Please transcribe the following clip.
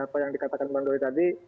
apa yang dikatakan bang doli tadi